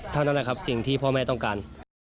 เท่านั้นแหละครับสิ่งที่พ่อแม่ต้องการ